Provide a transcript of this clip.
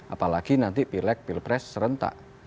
apalagi nanti pilek pilpres serentak